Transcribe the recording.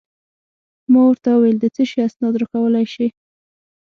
ما ورته وویل: د څه شي اسناد راکولای شې؟